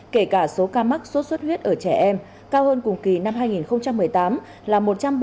kể cả số ca mắc sốt xuất huyết ở trẻ em cao hơn cùng kỳ năm hai nghìn một mươi tám là một trăm ba mươi tám